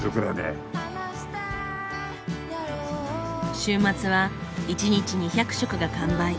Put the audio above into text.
週末は１日２００食が完売。